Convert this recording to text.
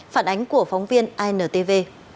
phản ánh của phóng viên intv